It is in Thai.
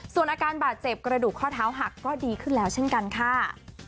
ส่วนอาการบาดเจ็บกระดูกข้อเท้าหักก็ดีขึ้นแล้วเช่นกันค่ะ